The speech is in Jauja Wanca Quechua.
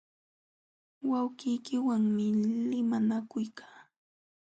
Wawqiykiwanmi limanakuykaa.